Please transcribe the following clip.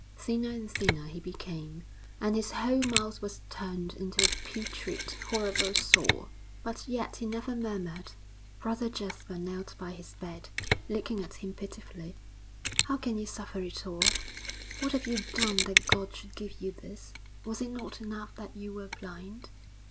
Thinner and thinner he became, and his whole mouth was turned into a putrid, horrible sore. But yet he never murmured. Brother Jasper knelt by his bed, looking at him pitifully. 'How can you suffer it all? What have you done that God should give you this? Was it not enough that you were blind?'